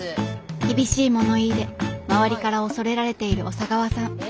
厳しい物言いで周りから恐れられている小佐川さん。